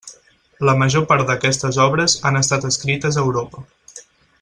La major part d'aquestes obres han estat escrites a Europa.